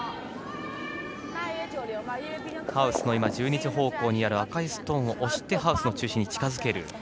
ハウスの１２時方向にある赤いストーンを押してハウスの中心に近づける。